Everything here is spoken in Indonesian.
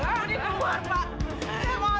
pak budi keluar pak